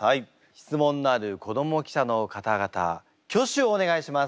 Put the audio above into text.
質問のある子ども記者の方々挙手をお願いします。